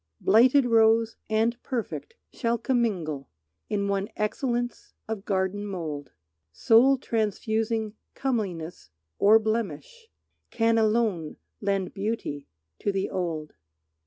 Blighted rose and perfect shall commingle In one excellence of garden mould. Soul transfusing comeliness or blemish Can alone lend beauty to the old.